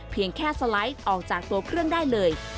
แค่สไลด์ออกจากตัวเครื่องได้เลย